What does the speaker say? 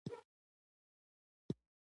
په مړوند کې به مې د څو مهینو اوازونو تلاوت،